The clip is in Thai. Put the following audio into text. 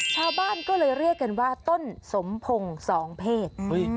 ชาวบ้านก็เลยเรียกกันว่าต้นสมพงศ์สองเพศ